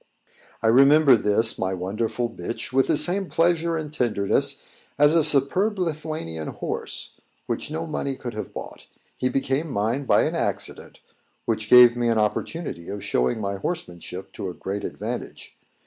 I remember this, my wonderful bitch, with the same pleasure and tenderness as a superb Lithuanian horse, which no money could have bought. He became mine by an accident, which gave me an opportunity of showing my horsemanship to a great advantage.